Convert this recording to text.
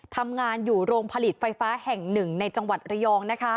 ทำงานอยู่โรงผลิตไฟฟ้าแห่งหนึ่งในจังหวัดระยอง